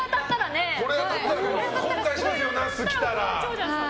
後悔しますよ、ナスが来たら。